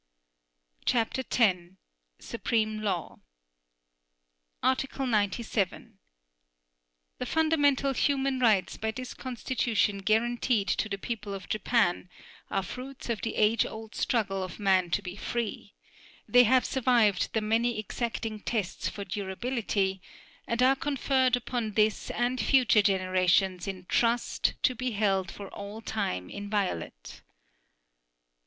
CHAPTER X. SUPREME LAW Article 97. The fundamental human rights by this Constitution guaranteed to the people of Japan are fruits of the age old struggle of man to be free; they have survived the many exacting tests for durability and are conferred upon this and future generations in trust, to be held for all time inviolate.